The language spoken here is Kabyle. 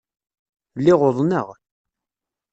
Lliɣ uḍneɣ.